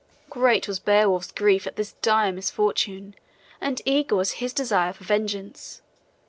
Great was Beowulf's grief at this dire misfortune, and eager was his desire for vengeance.